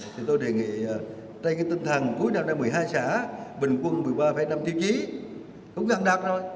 thì tôi đề nghị đây cái tinh thần cuối năm năm một mươi hai xã bình quân một mươi ba năm tiêu chí cũng gần đạt rồi